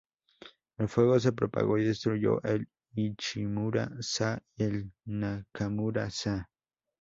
El fuego se propagó y destruyó el Ichimura-za y el Nakamura-za.